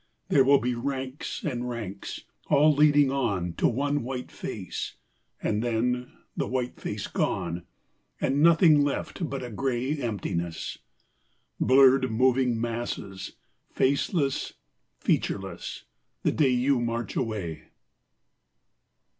There will be ranks and ranks, all leading on To one white face, and then the white face gone, And nothing left but a gray emptiness Blurred moving masses, faceless, featureless The day you march away.